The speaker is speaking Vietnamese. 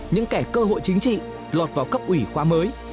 những kẻ cơ hội chính trị lọt vào cấp ủy khoa mới